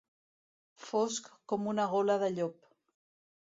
Fosc com una gola de llop.